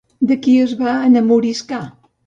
De qui es va enamoriscar?